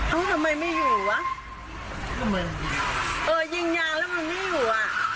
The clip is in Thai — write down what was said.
ทำไมไม่อยู่วะทำไมเออยิงยางแล้วมันไม่อยู่อ่ะ